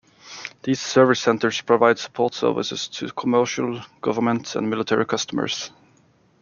These service centers provide support services to commercial, government and military customers.